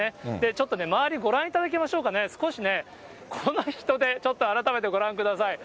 ちょっと周りご覧いただきましょうかね、少しね、この人出、ちょっと改めてご覧ください。